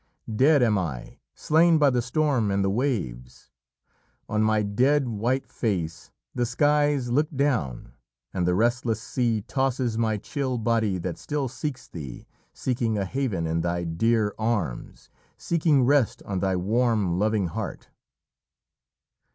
Dead am I, slain by the storm and the waves. On my dead, white face the skies look down and the restless sea tosses my chill body that still seeks thee, seeking a haven in thy dear arms, seeking rest on thy warm, loving heart."